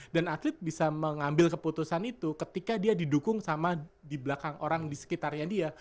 dan atlet bisa mengambil keputusan itu ketika dia didukung sama di belakang orang di sekitarnya dia